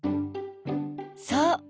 そう。